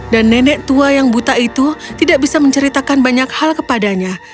dan nenek tua yang buta itu tidak bisa menceritakan banyak hal kepadanya